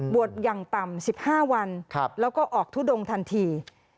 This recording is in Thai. อย่างต่ำ๑๕วันแล้วก็ออกทุดงทันที